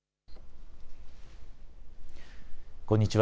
こんにちは。